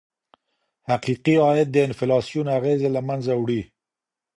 حقیقي عاید د انفلاسیون اغیزې له منځه وړي.